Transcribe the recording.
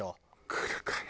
来るかな。